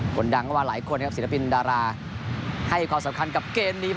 คนดังก็ว่าหลายคนนะครับศิลปินดาราให้ความสำคัญกับเกมนี้